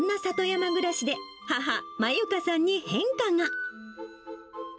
山暮らしで母、まゆかさんに変化が。